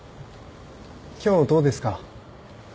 今日どうですか？